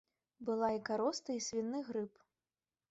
Была і кароста, і свіны грып.